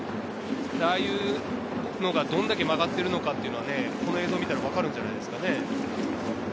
ああいうのがどれだけ曲がっているのか、この映像を見たらわかるんじゃないですかね。